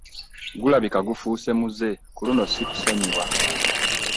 Gulabika gufuuse muze ku luno ssikusonyiwa.